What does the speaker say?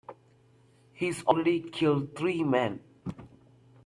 He's already killed three men.